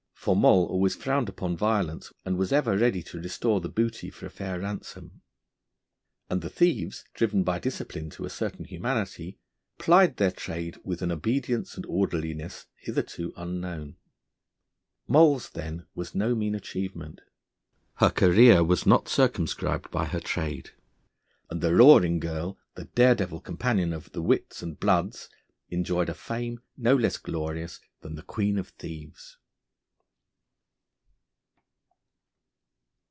For Moll always frowned upon violence, and was ever ready to restore the booty for a fair ransom. And the thieves, driven by discipline to a certain humanity, plied their trade with an obedience and orderliness hitherto unknown. Moll's then was no mean achievement. Her career was not circumscribed by her trade, and the Roaring Girl, the daredevil companion of the wits and bloods, enjoyed a fame no less glorious than the Queen of Thieves.